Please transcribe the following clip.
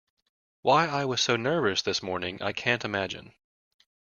Why I was so nervous this morning I can't imagine.